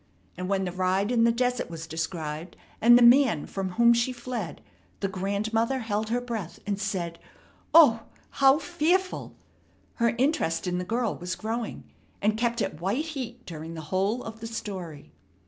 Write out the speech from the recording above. and when the ride in the desert was described, and the man from whom she fled, the grandmother held her breath, and said, "O, how fearful!" Her interest in the girl was growing, and kept at white heat during the whole of the story.